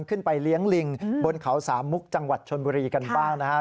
ขึ้นไปเลี้ยงลิงบนเขาสามมุกจังหวัดชนบุรีกันบ้างนะครับ